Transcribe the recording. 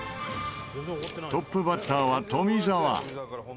トップバッターは富澤。